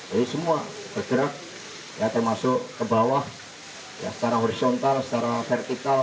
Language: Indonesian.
jadi semua bergerak ya termasuk ke bawah ya secara horizontal secara vertikal